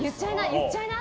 言っちゃいな。